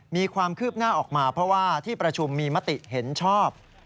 มีความคืบหน้าออกมาเพราะว่าที่ประชุมมีมติเห็นชอบ